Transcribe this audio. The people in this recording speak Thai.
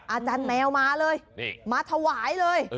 อาจารย์แมวมาเลยมาถวายเลย